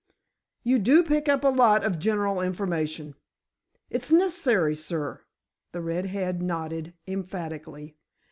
"You do pick up a lot of general information." "It's necess'ry, sir." The red head nodded emphatically.